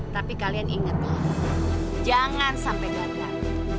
tapi kalian ingatlah jangan sampai gagal